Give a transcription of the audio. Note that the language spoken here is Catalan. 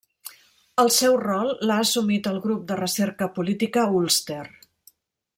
El seu rol l'ha assumit el Grup de Recerca Política Ulster.